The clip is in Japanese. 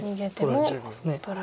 取られちゃいます。